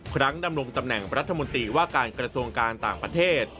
ครั้งดำรงตำแหน่งรัฐมนตรีว่าการกระทรวงการต่างประเทศ